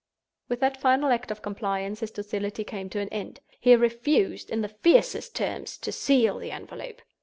With that final act of compliance his docility came to an end. He refused, in the fiercest terms, to seal the envelope.